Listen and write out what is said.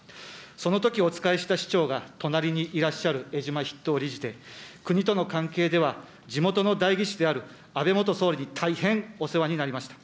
そのときお仕えした首長が隣にいらっしゃるえじま筆頭理事で、国との関係では地元の代議士である安倍元総理に大変お世話になりました。